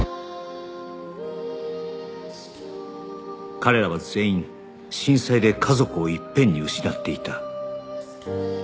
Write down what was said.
彼らは全員震災で家族をいっぺんに失っていた